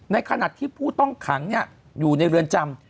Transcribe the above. ในขณะที่ผู้ต้องขังอยู่ในเรือนจำ